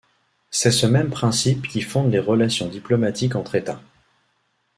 C'est ce même principe qui fonde les relations diplomatiques entre États.